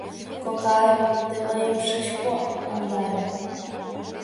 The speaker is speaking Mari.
— Кокай, тый мыйым шыч куандаре.